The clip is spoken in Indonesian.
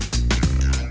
inovasi kedepannya apa